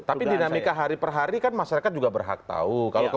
tapi dinamika hari per hari kan masyarakat juga berhak tahu